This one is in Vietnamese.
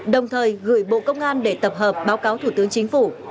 đồng thời gửi bộ công an để tập hợp báo cáo thủ tướng chính phủ